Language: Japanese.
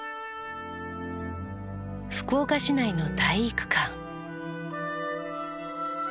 福岡市内の体育館。